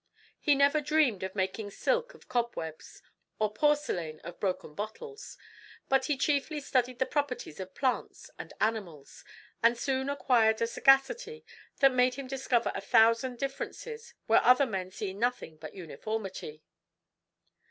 He never dreamed of making silk of cobwebs, or porcelain of broken bottles; but he chiefly studied the properties of plants and animals; and soon acquired a sagacity that made him discover a thousand differences where other men see nothing but uniformity.